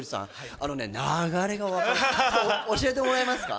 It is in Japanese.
あのね、流れが分からない、教えてもらえますか？